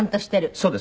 そうです。